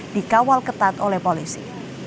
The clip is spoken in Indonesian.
dikawal ketat oleh polisi